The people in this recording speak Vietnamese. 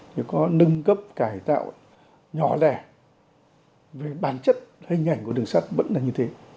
thì có nâng cấp cải tạo nhỏ lẻ về bản chất hình ảnh của đường sắt vẫn là như thế